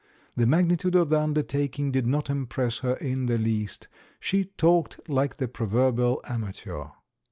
The magnitude of the undertaking did not impress her in the least — she talked like the proverbial amateur.